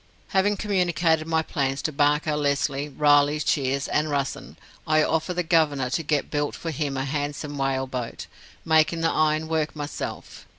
Having communicated my plans to Barker, Lesly, Riley, Shiers, and Russen, I offered the Governor to get built for him a handsome whale boat, making the iron work myself.